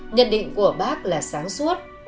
nhận định của bác là sáng suốt